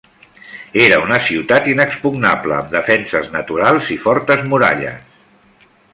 Era una ciutat inexpugnable, amb defenses naturals i fortes muralles.